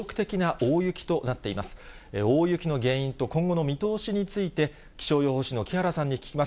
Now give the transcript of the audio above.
大雪の原因と今後の見通しについて、気象予報士の木原さんに聞きます。